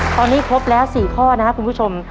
ตอนนี้ครบแล้ว๔ข้อนะครับคุณผู้ชม